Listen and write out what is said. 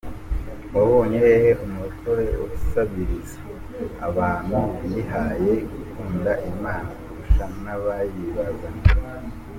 Wabonye hehe umurokore usabiriza? Abantu bihaye gukunda Imana kurusha n'abayibazaniye.